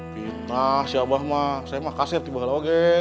fitnah si obah mba saya mah kaset di bakaloge